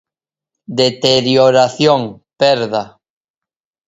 Deterioración, perda.